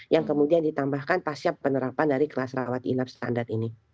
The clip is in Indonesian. yang kemudian ditambahkan pasca penerapan dari kelas rawat inap standar ini